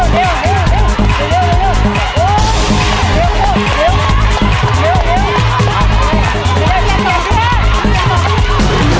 เดี๋ยว